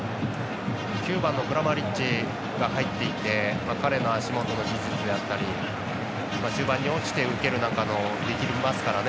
９番のクラマリッチが入っていて彼の足元の技術だったり中盤に落ちて受けるのもできますからね。